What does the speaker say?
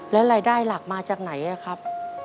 แล้วรายได้หลักมาจากไหนครับ